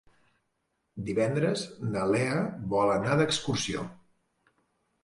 Divendres na Lea vol anar d'excursió.